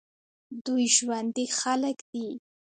دوی ژوندي خلک دي.